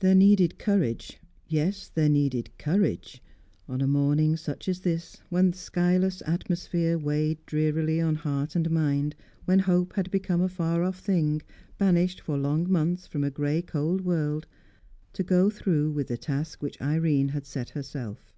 There needed courage yes, there needed courage on a morning such as this, when the skyless atmosphere weighed drearily on heart and mind, when hope had become a far off thing, banished for long months from a grey, cold world, to go through with the task which Irene had set herself.